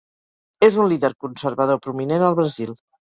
És un líder conservador prominent al Brasil.